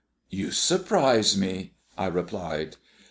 "You surprise me," I replied.